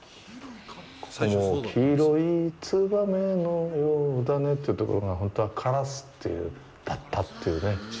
ここも、「黄色いツバメのようだね」というところが本当はカラスだったというね。